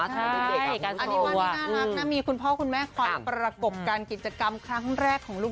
อันนี้ว่านี่น่ารักนะมีคุณพ่อคุณแม่คอยประกบกันกิจกรรมครั้งแรกของลูก